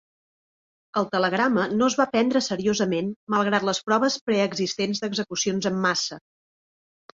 El telegrama no es va prendre seriosament malgrat les proves preexistents d'execucions en massa.